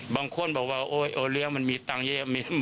บางคนบอกว่าโอ๊ยเรื่องมันมีตังค์เยี่ยม